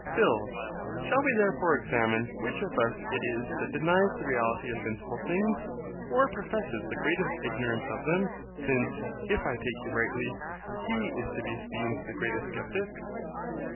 PHIL. Shall we therefore examine which of us it is that denies the reality of sensible things, or professes the greatest ignorance of them; since, if I take you rightly, he is to be esteemed the greatest SCEPTIC?